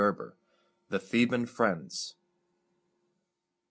LXXVI. THE THEBAN FRIENDS.